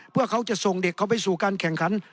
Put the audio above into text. เพื่อเขาจะส่งเด็กเขาไปสู่การแข่งขัน